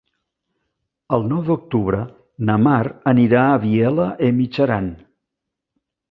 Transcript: El nou d'octubre na Mar anirà a Vielha e Mijaran.